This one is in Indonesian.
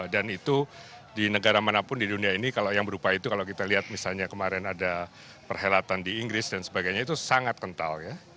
dan itu di negara manapun di dunia ini yang berupa itu kalau kita lihat misalnya kemarin ada perhelatan di inggris dan sebagainya itu sangat kental ya